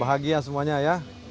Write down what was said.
bahagia semuanya ya